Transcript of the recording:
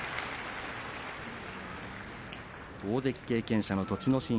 大関経験者の栃ノ